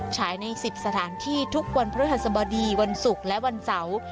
ฉายใน๑๐สถานที่ทุกวันพฤหัสบดีวันศุกร์และวันเสาร์